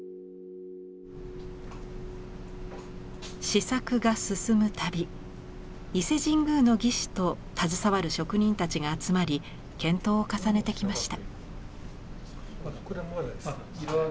試作が進むたび伊勢神宮の技師と携わる職人たちが集まり検討を重ねてきました。